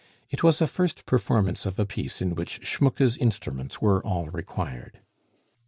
It was a first performance of a piece in which Schmucke's instruments were all required.